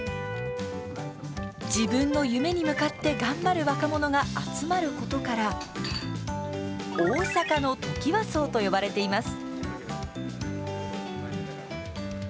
自分の夢に向かって頑張る若者が集まることから大阪のトキワ荘と呼ばれています。